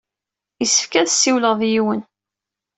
Yessefk ad ssiwleɣ yid-wen.